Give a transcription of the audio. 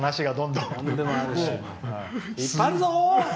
いっぱいあるぞ！